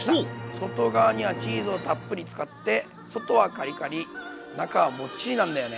外側にはチーズをたっぷり使って外はカリカリ中はモッチリなんだよね。